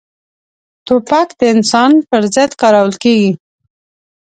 توپک د انسان پر ضد کارول کېږي.